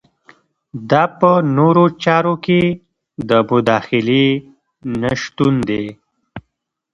دا په نورو چارو کې د مداخلې نشتون دی.